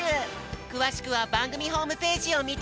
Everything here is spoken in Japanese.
くわしくはばんぐみホームページをみてね！